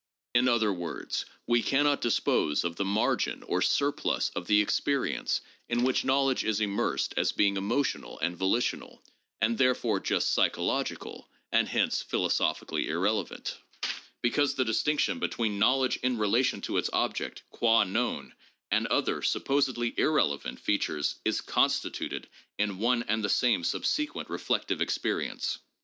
In other words, we can not dispose of the 'margin' or 'surplus' of the experience in which knowledge is im PSYCHOLOGY AND SCIENTIFIC METHODS 257 mersed as being emotional and volitional (and therefore just psycho logical, and hence philosophically irrelevant) because the distinction between knowledge in relation to its object, qua known, and other, supposedly irrelevant, features is constituted in one and the same subsequent reflective experience.